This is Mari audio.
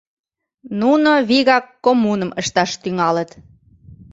Нуно вигак коммуным ышташ тӱҥалыт.